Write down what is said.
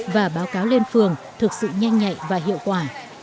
và báo cáo lên phường thực sự nhanh nhạy và hiệu quả